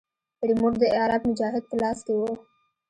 ريموټ د عرب مجاهد په لاس کښې و.